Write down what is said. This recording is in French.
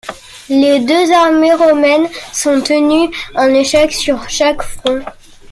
Les deux armées romaines sont tenues en échec sur chaque front.